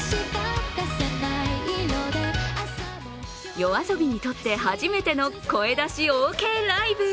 ＹＯＡＳＯＢＩにとって初めての声出しオーケーライブ。